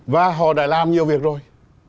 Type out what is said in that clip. và họ đã làm nhiều việc rồi